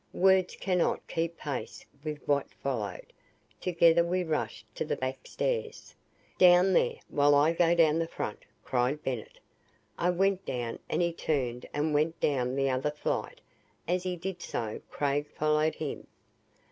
Words cannot keep pace with what followed. Together we rushed to the backstairs. "Down there, while I go down the front!" cried Bennett. I went down and he turned and went down the other flight. As he did so, Craig followed him.